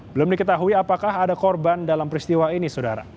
belum diketahui apakah ada korban dalam peristiwa ini saudara